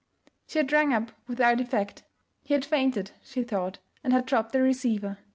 She had rung up without effect. He had fainted, she thought, and had dropped the receiver.